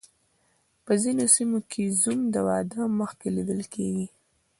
په ځینو سیمو کې زوم د واده مخکې لیدل کیږي.